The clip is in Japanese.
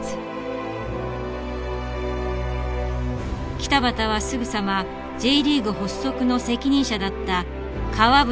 北畑はすぐさまＪリーグ発足の責任者だった川淵